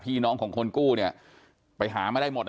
พี่น้องของคนกู้เนี่ยไปหาไม่ได้หมดนะ